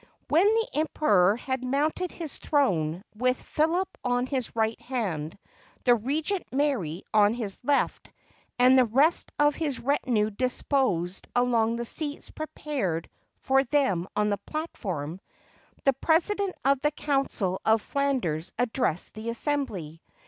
When the Emperor had mounted his throne, with Philip on his right hand, the Regent Mary on his left, and the rest of his retinue disposed along the seats prepared for them on the platform, the president of the council of Flanders addressed the assembly.